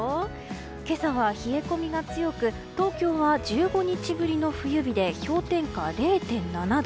今朝は冷え込みが強く東京は１５日ぶりの冬日で氷点下０．７度。